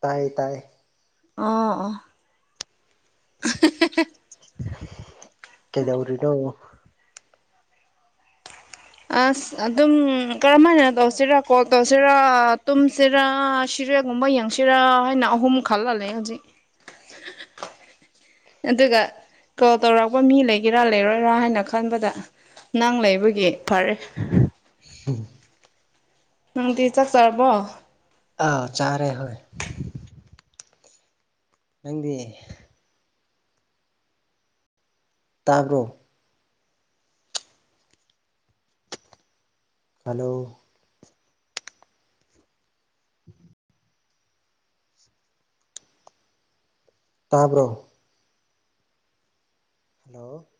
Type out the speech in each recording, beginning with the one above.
ꯇꯥꯏꯌꯦ ꯇꯥꯏꯌꯦ ꯑꯝ ꯑꯝ ꯀꯗꯧꯔꯤꯅꯣ ꯑꯁ ꯑꯗꯨꯝ ꯀꯔꯝꯍꯥꯏꯅ ꯇꯧꯁꯤꯔꯥ ꯀꯣꯜ ꯇꯧꯁꯤꯔ ꯇꯨꯝꯁꯤꯔꯥ ꯁꯤꯔꯦꯒꯨꯝꯕ ꯌꯦꯡꯁꯤꯔꯥ ꯍꯥꯏꯅ ꯑꯍꯨꯝ ꯈꯜꯂꯜꯂꯦ ꯍꯧꯖꯤꯛ ꯑꯗꯨꯒ ꯀꯣꯜ ꯇꯧꯔꯛꯄ ꯃꯤ ꯂꯩꯒꯦꯔꯥ ꯂꯩꯔꯣꯏꯔꯥ ꯍꯥꯏꯅ ꯈꯟꯕꯗ ꯅꯪ ꯂꯩꯕꯒꯤ ꯐꯔꯦ ꯑꯟꯑꯣꯗꯤꯕꯜ ꯅꯪꯗꯤ ꯆꯥꯛ ꯆꯔꯕꯣ ꯑꯥꯎ ꯆꯥꯔꯦ ꯍꯣꯏ ꯅꯪꯗꯤ ꯇꯥꯕ꯭ꯔꯣ ꯍꯜꯂꯣ ꯑꯟꯑꯣꯗꯤꯕꯜ ꯇꯥꯕ꯭ꯔꯣ ꯍꯜꯂꯣ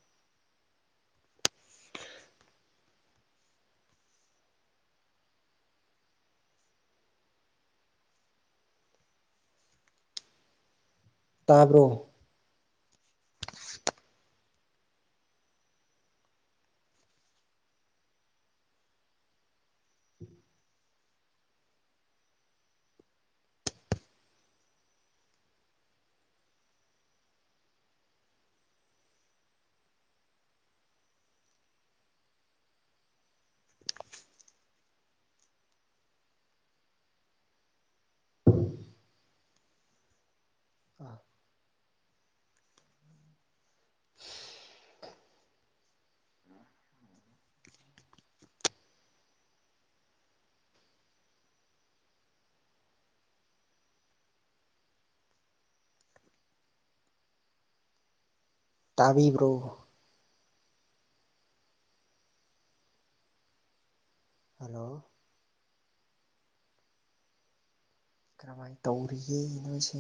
ꯇꯥꯕ꯭ꯔꯣ ꯎꯝ ꯑꯥ ꯑꯟꯑꯣꯗꯤꯕꯜ ꯇꯥꯕꯤꯕ꯭ꯔꯣ ꯍꯜꯂꯣ ꯀꯔꯝꯍꯥꯏꯅ ꯇꯧꯔꯤꯒꯦ ꯅꯣꯏꯁꯦ